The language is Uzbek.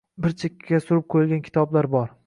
Bir chekkaga surib qoʻyilgan kitoblar bor